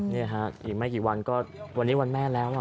นี่ฮะอีกไม่กี่วันก็วันนี้วันแม่แล้ว